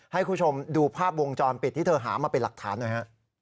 ให้คุณผู้ชมดูภาพวงจรปิดที่เธอหามาเป็นหลักฐานหน่อยฮะ